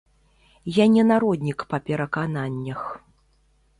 Я не народнік па перакананнях.